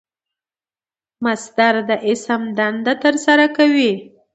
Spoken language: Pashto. مصدر د اسم دنده ترسره کوي.